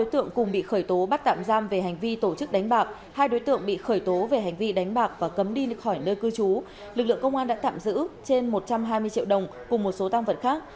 hai đối tượng cùng bị khởi tố bắt tạm giam về hành vi tổ chức đánh bạc hai đối tượng bị khởi tố về hành vi đánh bạc và cấm đi khỏi nơi cư trú lực lượng công an đã tạm giữ trên một trăm hai mươi triệu đồng cùng một số tăng vật khác